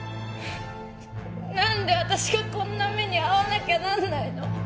何であたしがこんな目に遭わなきゃなんないの？